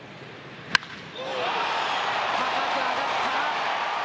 高く上がった。